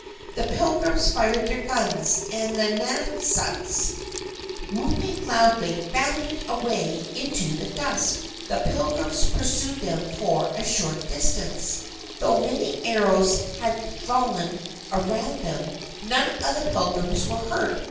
The Pilgrims fired their guns, and the Nausets, whooping loudly, bounded away into the dusk. The Pilgrims pursued them for a short distance. Though many arrows had fallen around them, none of the Pilgrims were hurt.